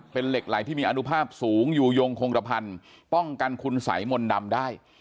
เป็นเหล็กไหลที่มีอนุภาพสูงอยู่ยงคงกระพันธ์ป้องกันคุณสัยมนต์ดำได้